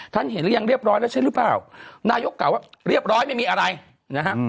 ท่านเห็นหรือยังเรียบร้อยแล้วใช่หรือเปล่านายกกล่าวว่าเรียบร้อยไม่มีอะไรนะฮะ